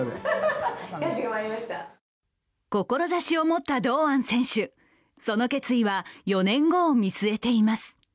志を持った堂安選手、その決意は４年後を見据えています